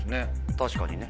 確かにね。